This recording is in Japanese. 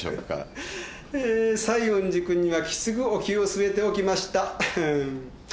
西園寺君にはきつくお灸をすえておきました。